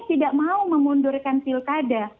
tidak mau memundurkan pilkada